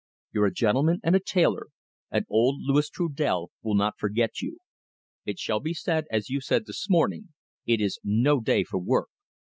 You're a gentleman and a tailor, and old Louis Trudel will not forget you. It shall be as you said this morning it is no day for work.